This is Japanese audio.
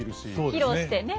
披露してね。